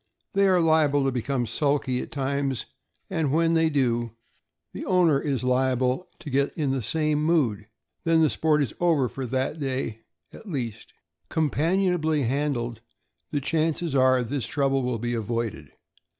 They are liable to become sulky at times, and when they do, the owner is liable to get in the same mood; then the sport is over, for that day, at least. Companionably handled, the chances are this trouble will be avoided.